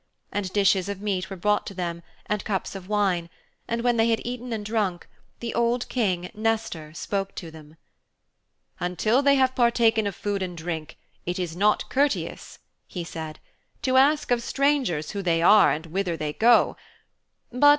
And dishes of meat were brought to them and cups of wine, and when they had eaten and drunk, the old King, Nestor, spoke to them. 'Until they have partaken of food and drink, it is not courteous,' he said, 'to ask of strangers who they are and whither they go.